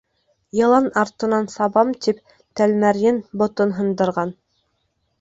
Йылан артынан сабам тип, тәлмәрйен ботон һындырған.